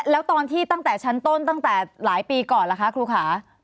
แล้วตอนที่ตั้งแต่ชั้นต้นตั้งแต่หลายปีก่อนล่ะคะครูขา